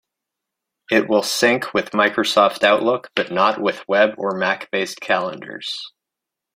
It will sync with Microsoft Outlook, but not with Web or Mac based calendars.